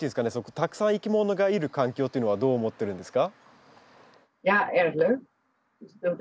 たくさんいきものがいる環境というのはどう思ってるんですか？